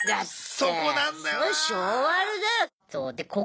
そこなんだよな。